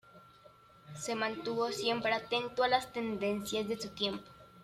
Se mantuvo siempre atento a las tendencias de su tiempo.